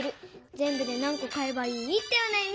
ぜんぶでなんこ買えばいい？」っておなやみ。